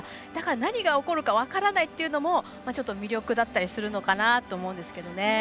何が起こるか分からないっていうのもちょっと魅力だったりするのかなと思います。